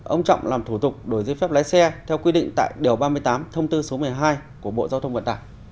ông trọng làm thủ tục đổi giấy phép lái xe theo quy định tại điều ba mươi tám thông tư số một mươi hai của bộ giao thông vận tải